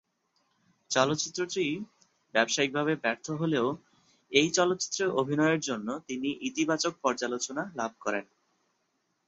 চলচ্চিত্রটি ব্যবসায়িকভাবে ব্যর্থ হলেও এই চলচ্চিত্রে অভিনয়ের জন্য তিনি ইতিবাচক পর্যালোচনা লাভ করেন।